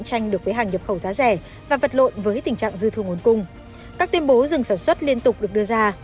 các tuyên bố dừng sản xuất liên tục được đưa ra